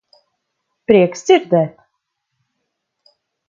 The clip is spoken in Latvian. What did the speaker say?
Prieks dzirdēt.